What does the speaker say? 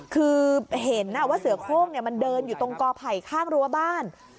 คือเห็นว่าเสือโค้งมันเดินอยู่ตรงกอไผ่ข้างรั้วบ้าน